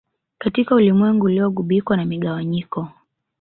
Katika ulimwengu uliogubikwa na migawanyiko